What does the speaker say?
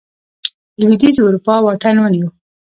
لوېدیځې اروپا واټن ونیو.